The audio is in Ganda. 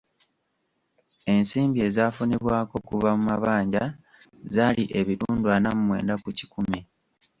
Ensimbi azaafunibwako okuva mu mabanja zaali ebitundu ana mu mwenda ku kikumi.